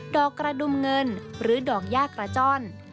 กระดุมเงินหรือดอกย่ากระจ้อน